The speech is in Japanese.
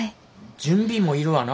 準備もいるわな。